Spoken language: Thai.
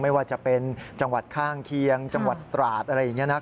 ไม่ว่าจะเป็นจังหวัดข้างเคียงจังหวัดตราดอะไรอย่างนี้นะครับ